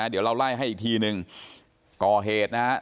เดี๋ยวเราไล่ให้อีกทีนึงก่อเหตุนะครับ